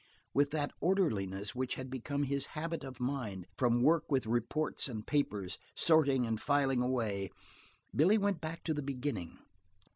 With that orderliness which had become his habit of mind, from work with reports and papers, sorting and filing away, Billy went back to the beginning.